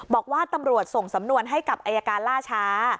บอกว่าตำรวจส่งสำนวนให้กับอายการล่าช้า